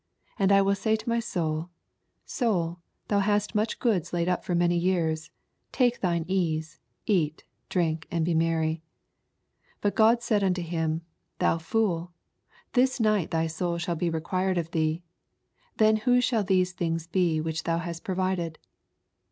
19 And I will say to my soul, Roul, thou hast much goods laid up for manv years ; take thine ease, eat, dnnK.and be merry. 20 But God said unto him, 7h>u fool, this night thy soul shall be re quired of tbee : then whose shidl those things be, which thou hast pro vided